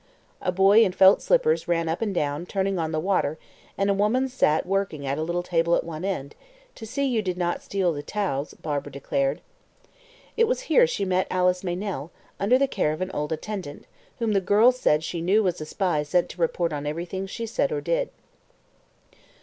A boy in felt slippers ran up and down, turning on the water, and a woman sat working at a little table at one end "to see you did not steal the towels," Barbara declared. It was here she met Alice Meynell, under the care of an old attendant, whom the girl said she knew was a spy sent to report everything she said or did.